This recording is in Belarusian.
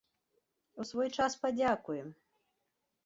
У свой час падзякуем!